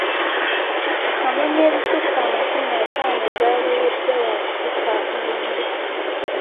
Kamunye ezisukka amakumi ataano zaaboyeddwa lwa kutikka kabindo.